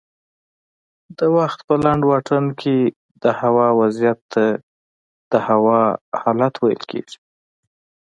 د وخت په لنډ واټن کې دهوا وضعیت ته د هوا حالت ویل کېږي